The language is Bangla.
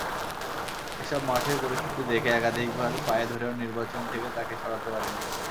এবার মাঠের পরিস্থিতি দেখে একাধিকবার পায়ে ধরেও নির্বাচন থেকে তাঁকে সরাতে পারিনি।